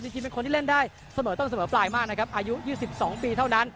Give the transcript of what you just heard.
ที่คือเป็นคนที่เล่นได้เสมอตั้งเสมอปลายมากอายุ๒๒ปีเท่านั้น